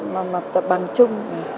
mà bằng chung